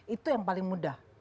itu yang paling mudah